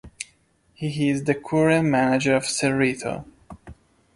He is the current manager of Cerrito.